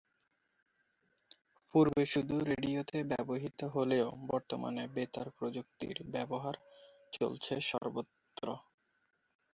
পূর্বে শুধু রেডিওতে ব্যবহৃত হলেও বর্তমানে বেতার প্রযুক্তির ব্যবহার চলছে সর্বত্র।